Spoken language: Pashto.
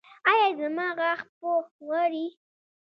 ایا زما غاښ پوښ غواړي؟